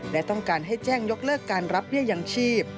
และต้องการให้แจ้งยกเลิกการรับเบี้ยยังชีพ